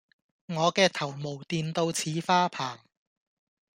我嘅頭毛電到似花棚